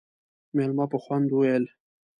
مېلمه په خوند وويل: